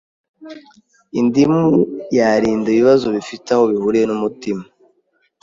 Indimu yarinda ibibazo bifite aho bihuriye n’umutima